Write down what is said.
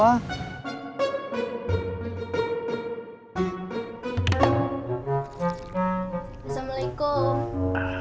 namanya sias disease